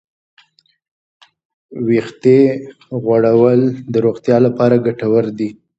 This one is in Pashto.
ویښتې غوړول د روغتیا لپاره ګټور دي.